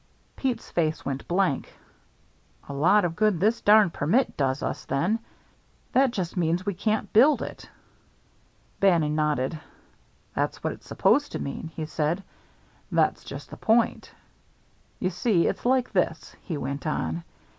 Pete's face went blank. "A lot of good this darned permit does us then. That just means we can't build it." Bannon nodded. "That's what it's supposed to mean," he said. "That's just the point." "You see, it's like this," he went on.